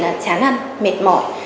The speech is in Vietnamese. là chán ăn mệt mỏi